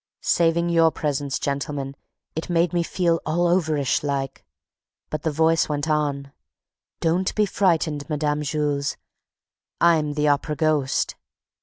Saving your presence, gentlemen, it made me feel all overish like. But the voice went on, 'Don't be frightened, Mme. Jules, I'm the Opera ghost!'